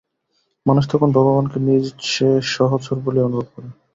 মানুষ তখন ভগবানকে নিজ সহচর বলিয়া অনুভব করে।